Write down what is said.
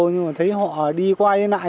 nhưng mà thấy họ đi qua đi lại